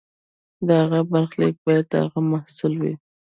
د هغه برخلیک باید د هغه محصول وي.